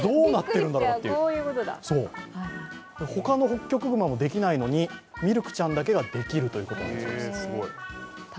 他のホッキョクグマもできないのにミルクちゃんだけができるということなんです。